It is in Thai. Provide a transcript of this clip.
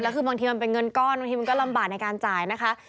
คือบางทีมันเป็นเงินก้อนบางทีมันก็ลำบากในการจ่ายนะคะ